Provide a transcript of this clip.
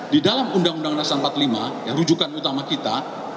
di dalam undang undang dasar empat puluh lima rujukan utama kita